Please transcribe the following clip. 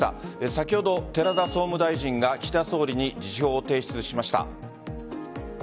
先ほど寺田総務大臣が岸田総理に辞表を提出しました。